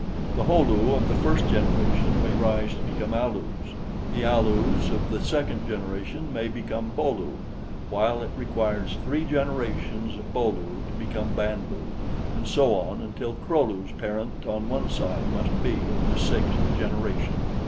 The Ho lu of the first generation may rise to become Alus; the Alus of the second generation may become Bo lu, while it requires three generations of Bo lu to become Band lu, and so on until Kro lu's parent on one side must be of the sixth generation.